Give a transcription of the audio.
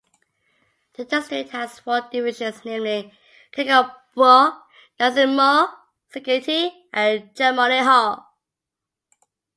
The district has four divisions, namely: Kenkombyo, Nansimo, Serengeti and Chamuriho.